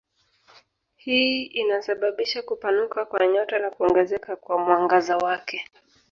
Hii inasababisha kupanuka kwa nyota na kuongezeka kwa mwangaza wake.